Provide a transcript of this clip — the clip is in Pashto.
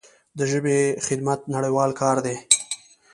د ژبې خدمت نړیوال کار دی.